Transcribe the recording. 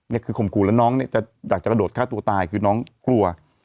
นี่คือข่มขู่แล้วน้องอยากจะกระโดดฆ่าตัวตายคือน้องกลัว